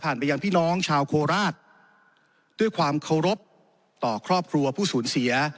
ไปยังพี่น้องชาวโคราชด้วยความเคารพต่อครอบครัวผู้สูญเสีย